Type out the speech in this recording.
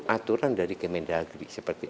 aturan dari kementerian agri seperti